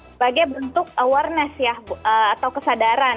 sebagai bentuk kesadaran